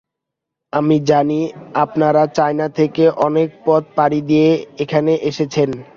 আমি জানি, আপনারা চায়না থেকে অনেক পথ পাড়ি দিয়ে এখানে এসেছেন।